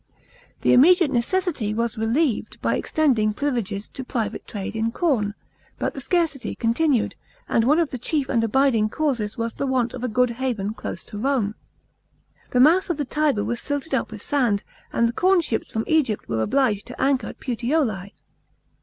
The immediate necessity was relieved by extending privi leges to private trade in corn ; but the scarcity continued, and one of the chief and abiding causes was the want of a good haven close to Rome. The mouth of the Tiber was silted up with sand, and the corn ships from Egypt were obliged to anchor at Puteoli.